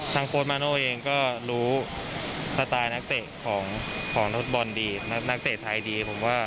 ทางโฟนวงัยเองก็รู้สไตล์นักเตะของนักเตะทายดี